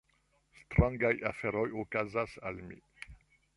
Strangaj aferoj okazas al mi.